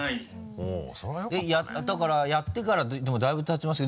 だからやってからでもだいぶたちますよ。